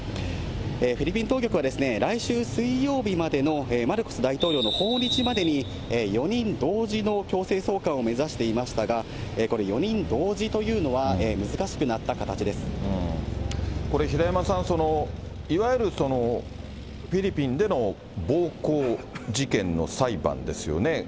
フィリピン当局は、来週水曜日までのマルコス大統領の訪日までに、４人同時の強制送還を目指していましたが、これ、４人同時というのは、これ、平山さん、いわゆるその、フィリピンでの暴行事件の裁判ですよね。